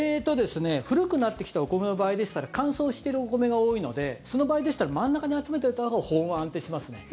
古くなってきたお米の場合でしたら乾燥してるお米が多いのでその場合でしたら真ん中に集めておいたほうが保温は安定しますね。